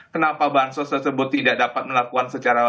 kenapa bahan sos tersebut tidak dapat melakukan